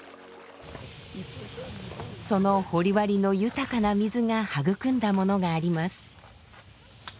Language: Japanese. その掘割の豊かな水が育んだものがあります。